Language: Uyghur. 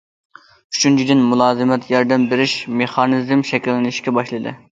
ئۈچىنچىدىن، مۇلازىمەت، ياردەم بېرىش مېخانىزمى شەكىللىنىشكە باشلىدى.